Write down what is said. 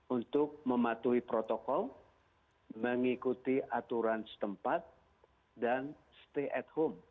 untuk mematuhi protokol mengikuti aturan setempat dan stay at home